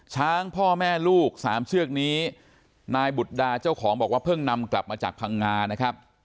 ช้างพ่อแม่ลูกสามเชือกนี้นายบุตรดาเจ้าของบอกว่าเพิ่งนำกลับมาจากพังงานะครับ